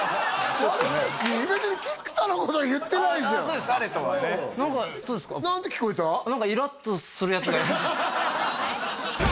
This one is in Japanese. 別に菊田のことは言ってないじゃんああ